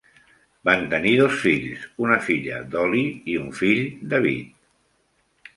Van tenir dos fills, una filla, Doli, i un fill, David.